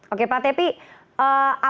oke pak tepi apakah kemudian gugatannya